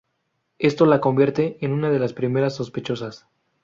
Esto la convierte en una de las primeras sospechosas.